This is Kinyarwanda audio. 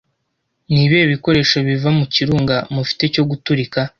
Nibihe bikoresho biva mu kirunga mugihe cyo guturika